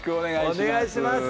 お願いします